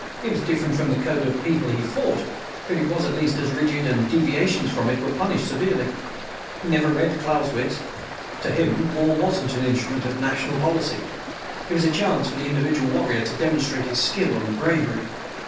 It was different from the code of the people he fought, but it was at least as rigid, and deviations from it were punished severely. He'd never read Clausewitz. To him, war wasn't an 'Instrument of National Policy'. It was a chance for the individual warrior to demonstrate his skill and bravery.